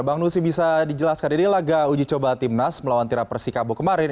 bang nusi bisa dijelaskan ini laga uji coba timnas melawan tira persikabo kemarin